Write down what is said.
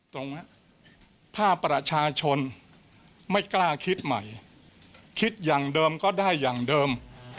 ตรงนี้ถ้าประชาชนไม่กล้าคิดใหม่คิดอย่างเดิมก็ได้อย่างเดิม